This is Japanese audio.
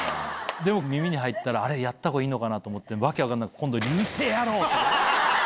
でも耳に入ったらやったほうがいいのかなと思って訳分かんなくなって。